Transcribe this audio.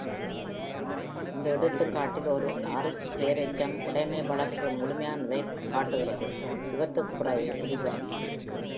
இந்த எடுத்துக்காட்டில் ஒரு ஆரிஸ்ட் பெயரெச்சம் உடைமை வழக்கு முழுமையானதைக் காட்டுகிறது.விபத்துக்குப் பிறகு எரிப